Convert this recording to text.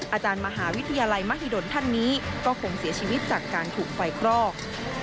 อาจารย์มหาวิทยาลัยมหิดลท่านนี้ก็คงเสียชีวิตจากการถูกไฟคลอก